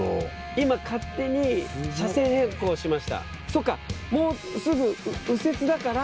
今勝手に車線変更しました。